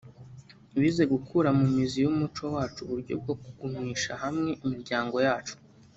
bize gukura mu mizi y’umuco wacu uburyo bwo kugumisha hamwe imiryango yacu